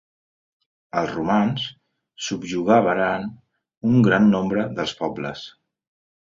Els romans subjugaren un gran nombre de pobles.